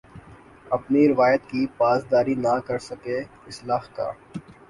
اپنی روایت کی پاسداری نہ کر سکے اصلاح کا